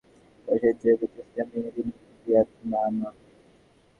সেই সুযোগে deep square leg থেকে সরাসরি থ্রোতে স্টাম্প ভেঙে দিলেন ভিতানাগে।